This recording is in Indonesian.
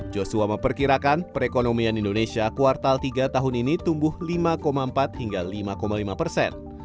joshua memperkirakan perekonomian indonesia kuartal tiga tahun ini tumbuh lima empat hingga lima lima persen